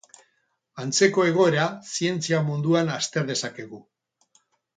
Antzeko egoera zientzia munduan azter dezakegu.